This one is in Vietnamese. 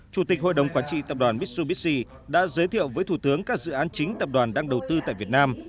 chủ tịch hội đồng quản trị tập đoàn mitsubisi đã giới thiệu với thủ tướng các dự án chính tập đoàn đang đầu tư tại việt nam